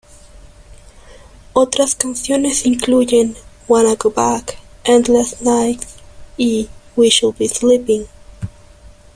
Otras canciones incluyen "Wanna Go Back", "Endless Nights", y "We Should Be Sleeping".